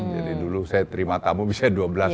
jadi dulu saya terima tamu bisa dua belas